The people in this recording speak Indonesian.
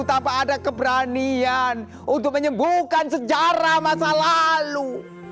tanpa ada keberanian untuk menyembuhkan sejarah masa lalu